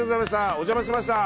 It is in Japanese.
お邪魔しました。